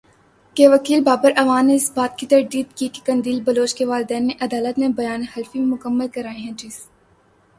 کے وکیل بابر اعوان نے اس بات کی تردید کی کہ قندیل بلوچ کے والدین نے عدالت میں بیان حلفی مکمل کرائے ہیں جس